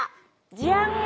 ジャン！